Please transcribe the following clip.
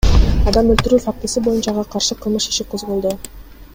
Адам өлтүрүү фактысы боюнча ага каршы кылмыш иши козголду.